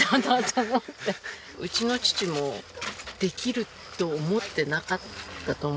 うちの父もできると思ってなかったと思うんですよ。